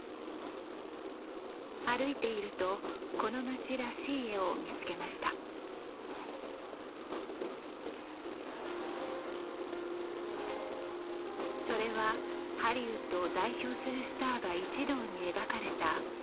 歩いているとこの街らしい絵を見つけましたそれはハリウッドを代表するスターが一堂に描かれた壁画